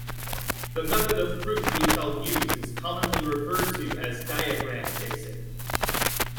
The method of proof we shall use is commonly referred to as diagram chasing.